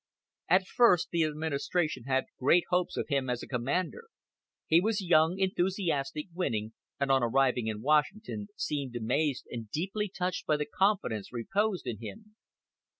At first the administration had great hopes of him as a commander. He was young, enthusiastic, winning, and on arriving in Washington seemed amazed and deeply touched by the confidence reposed in him.